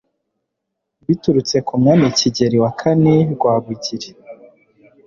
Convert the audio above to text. biturutse ku Mwami Kigeli wa kani Rwabugiri